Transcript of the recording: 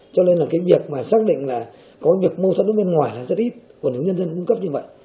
cho nên là cái việc mà xác định là có việc mâu thuẫn ở bên ngoài là rất ít của những nhân dân cung cấp như vậy